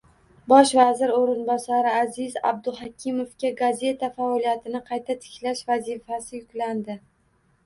Bosh vazir o'rinbosari Aziz Abduhakimovga gazeta faoliyatini qayta tiklash vazifasi yuklandi